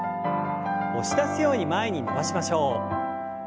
押し出すように前に伸ばしましょう。